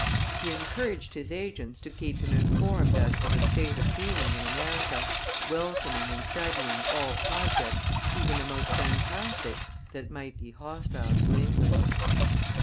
He encouraged his agents to keep him informed as to the state of feeling in America, welcoming and studying all projects, even the most fantastic, that might be hostile to England.